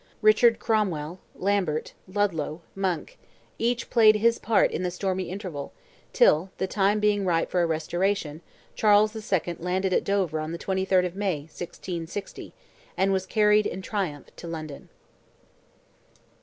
Richard Cromwell—Lambert—Ludlow—Monck—each played his part in this stormy interval, till, the time being ripe for a restoration, Charles II. landed at Dover on the 23rd of May, 1660 and was carried in triumph to London.